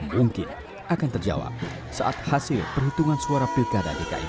mungkin akan terjawab saat hasil perhitungan suara pilkada dki